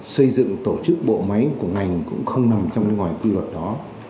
xây dựng tổ chức bộ máy của ngành cũng không nằm trong ngoài quy luật đó